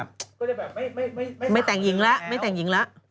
ก็จะแบบไม่สามารถไม่แต่งหญิงแล้ว